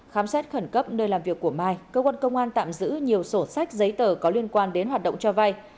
khám xét khẩn cấp nơi làm việc của mai cơ quan công an tạm giữ nhiều sổ sách giấy tờ có liên quan đến hoạt động cho vay